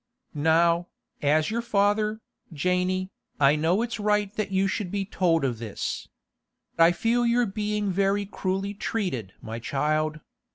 'Now, as your father, Janey, I know it's right that you should be told of this. I feel you're being very cruelly treated, my child.